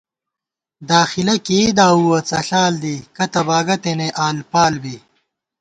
داخِلہ کېئی داوُوَہ څݪال دی ، کتہ باگہ تېنے آلپال بی